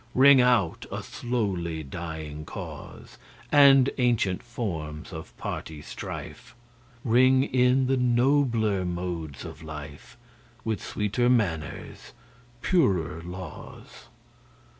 Ring out a slowly dying cause, And ancient forms of party strife; Ring in the nobler modes of life, With sweeter manners, purer laws.